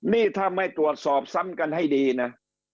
นี่ถ้าไม่ตรวจสอบซ้ำกันให้ดีนะ